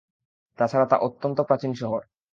তাছাড়া তা অত্যন্ত প্রাচীন শহর।